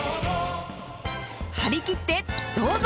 張り切ってどうぞ！